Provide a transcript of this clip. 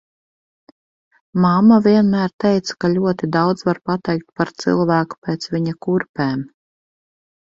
Mamma vienmēr teica, ka ļoti daudz var pateikt par cilvēku pēc viņa kurpēm.